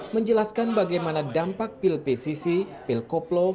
menjelaskan bagaimana dampak pil pcc pil koplo